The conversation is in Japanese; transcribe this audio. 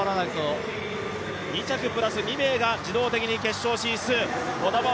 ２着プラス２名が自動的に決勝進出。